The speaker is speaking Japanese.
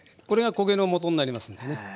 これが焦げのもとになりますんでね。